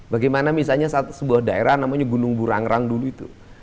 bagaimana misalnya sebuah daerah namanya gunung burangrang dulu itu